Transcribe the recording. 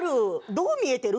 どう見えてる？